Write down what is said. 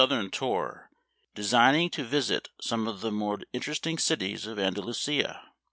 167 ern tour, designing to visit some of the more interesting cities of Andalusia.